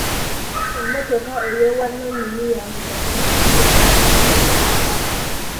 Emmotoka ey'obwannanyini ya migaso mingi eri agikozesa .